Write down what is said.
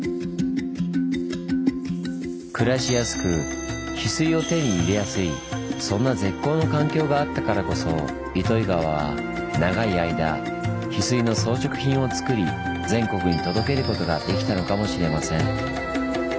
暮らしやすくヒスイを手に入れやすいそんな絶好な環境があったからこそ糸魚川は長い間ヒスイの装飾品をつくり全国に届けることができたのかもしれません。